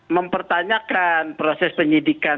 mempertanyakan proses penyidikan